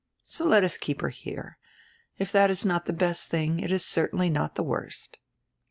So let us keep her here. If that is not the best tiling, it is certainly not the worst."